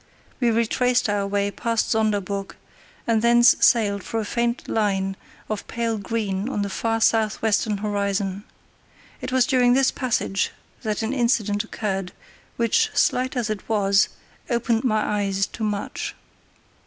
We retraced our way past Sonderburg, and thence sailed for a faint line of pale green on the far south western horizon. It was during this passage that an incident occurred, which, slight as it was, opened my eyes to much.